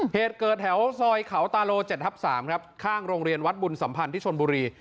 เหตุเกิดแถวซอยเขาตาโล๗ทับ๓ครับข้างโรงเรียนวัดบุญสัมพันธ์ที่ชนบุรี